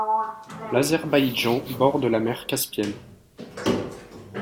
L'Azerbaïdjan borde la mer Caspienne.